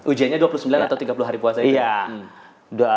ujiannya dua puluh sembilan atau tiga puluh hari puasa itu